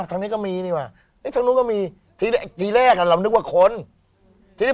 ตรงนี้ก็มีนี่ว่ะนี่ตรงนู้นก็มีทีแรกทีแรกอ่ะเรานึกว่าคนทีนี้